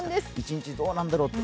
１日、どうなんだろうって。